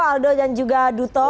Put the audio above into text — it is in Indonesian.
aldo dan juga duto